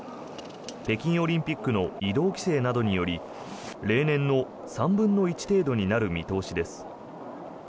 北京オリンピックの移動規制により例年の３分の１程度になる見通しです。